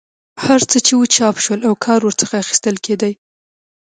هر څه چې وو چاپ شول او کار ورڅخه اخیستل کېدی.